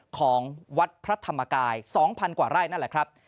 ของวัดพระธรรมกาย๒๐๐๐กว่าไร่นั่นแหละครับ